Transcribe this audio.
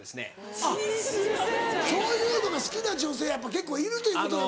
あっそういうのが好きな女性結構いるということなんだ。